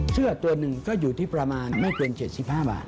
เสื้อตัวหนึ่งก็อยู่ที่ประมาณไม่เกิน๗๕บาท